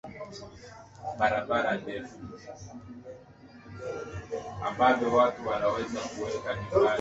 awali kuwa wengi wao waliingizwa kwenye kikundi hiki tangu utotoni